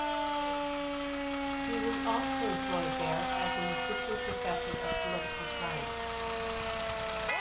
He was also employed there as an assistant professor of political science.